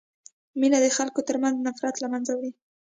مینه د خلکو ترمنځ نفرت له منځه وړي.